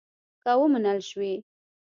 که ومنل شوې.